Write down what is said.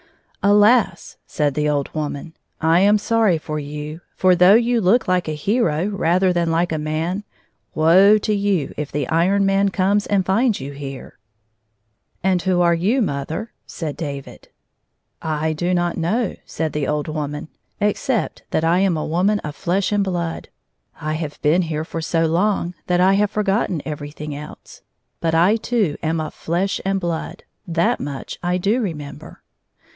" Alas !" said the old woman, " I am sorry for you, for, though you look like a hero rather than like a man, woe to you if the Iron Man comes and finds you here." 141 "And who are you, mother 1 " said David. " I do not know," said the old woman, " except that I am a woman of flesh and hlood. I have been here for so long that I have forgotten every thing else. But I too am of flesh and blood — that much I do remember."